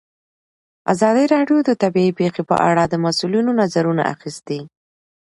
ازادي راډیو د طبیعي پېښې په اړه د مسؤلینو نظرونه اخیستي.